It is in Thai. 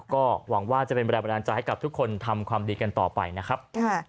ก็หวังว่าจะเป็นแรงบันดาลใจให้กับทุกคนทำความดีกันต่อไปนะครับ